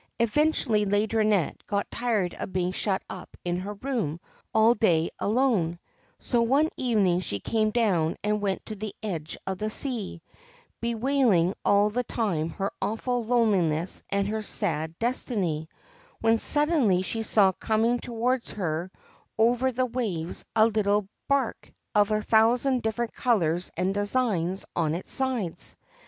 Eventually Laideronnette got tired of being shut up in her room all day alone, so one evening she came down and went to the edge of the sea, bewailing all the time her awful loneliness and her sad destiny, when suddenly she saw coming towards her over the waves a little barque of a thousand different colours and designs on its sides.